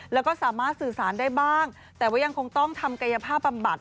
แล้วก็สามารถสื่อสารได้บ้างแต่ว่ายังคงต้องทำกายภาพบำบัด